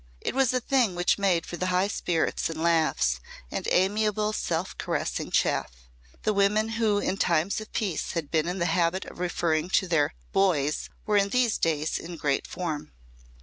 It was a thing which made for high spirits and laughs and amiable semi caressing chaff. The women who in times of peace had been in the habit of referring to their "boys" were in these days in great form.